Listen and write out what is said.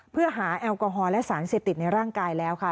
เพื่อหาแอลกอฮอลและสารเสพติดในร่างกายแล้วค่ะ